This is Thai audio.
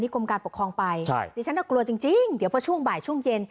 กรมการปกครองไปฉันกลัวจริงเดี๋ยวช่วงบ่ายช่วงเย็น